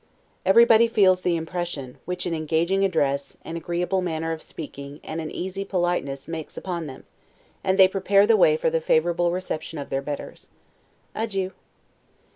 Everybody feels the impression, which an engaging address, an agreeable manner of speaking, and an easy politeness, makes upon them; and they prepare the way for the favorable reception of their betters. Adieu.